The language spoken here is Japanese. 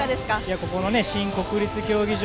ここの新国立競技場